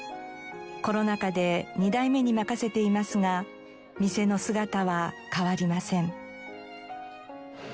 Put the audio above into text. コロナ禍で２代目に任せていますが店の姿は変わりません。